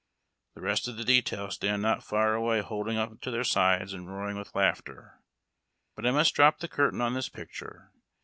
The rest of the detail stand not far away holding on to their sides and roaring with laughter. But I must drop the curtain on this picture.